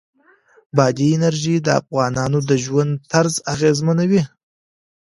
بادي انرژي د افغانانو د ژوند طرز اغېزمنوي.